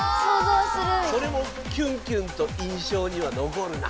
それもキュンキュンと印象にはのこるな